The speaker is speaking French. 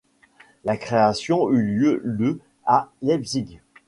La création eut lieu le à Leipzig.